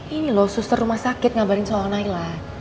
ini loh suster rumah sakit ngabarin soal naila